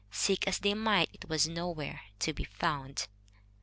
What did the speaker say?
Seek as they might, it was nowhere to be found.